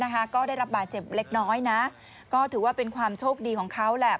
ก็ได้รับบาดเจ็บเล็กน้อยนะก็ถือว่าเป็นความโชคดีของเขาแหละ